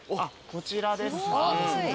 こちらですか？